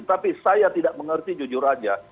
tapi saya tidak mengerti jujur aja